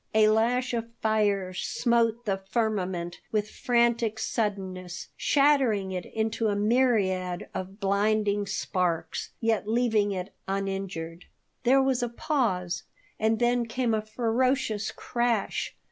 A lash of fire smote the firmament with frantic suddenness, shattering it into a myriad of blinding sparks, yet leaving it uninjured. There was a pause and then came a ferocious crash.